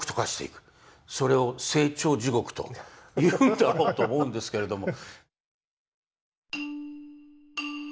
それを「清張地獄」と言うんだろうと思うんですけれども。